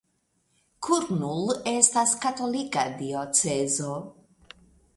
Kurnul estas katolika diocezo.